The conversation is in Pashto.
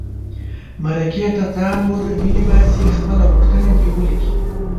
مرکې ته ځان ور ننباسي خپله غوښتنه دې ولیکي.